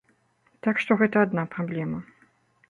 Так што гэта адна праблема.